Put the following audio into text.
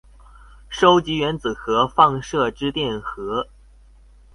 收集原子核放射之電荷